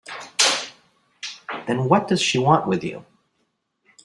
Then what does she want with you?